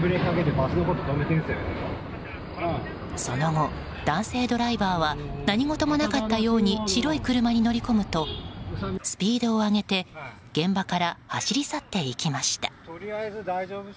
その後、男性ドライバーは何事もなかったように白い車に乗り込むとスピードを上げて現場から走り去っていきました。